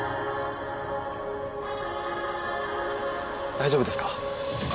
大丈夫ですか？